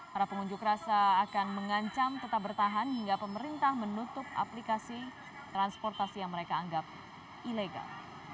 para pengunjuk rasa akan mengancam tetap bertahan hingga pemerintah menutup aplikasi transportasi yang mereka anggap ilegal